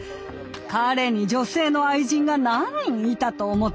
彼に女性の愛人が何人いたと思っているの。